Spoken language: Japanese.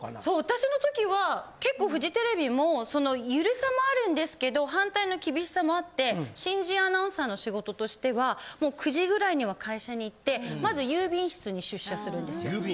そう私の時は結構フジテレビもその緩さもあるんですけど反対の厳しさもあって新人アナウンサーの仕事としてはもう９時ぐらいには会社に行ってまず郵便室に出社するんですよ。